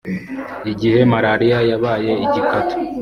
Igihe marariya yabaye igikatu